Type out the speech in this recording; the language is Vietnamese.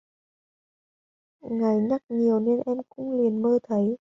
ngày nhắc nhiều nên em cũng liền mơ thấy